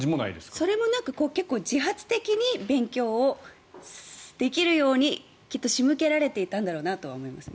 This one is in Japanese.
それもなく結構自発的に勉強をできるようにきっと仕向けられていたんだろうなとは思いますね。